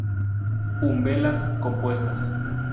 Umbelas compuestas.